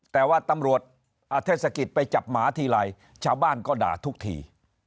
แต่ว่าตำรวจเทศกิจไปจับหมาทีไรชาวบ้านก็ด่าทุกที